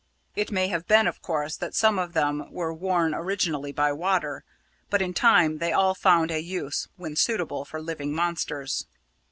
It may have been, of course, that some of them were worn originally by water; but in time they all found a use when suitable for living monsters.